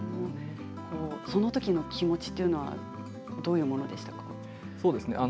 そのときの気持ちというのはどういうものでしたか。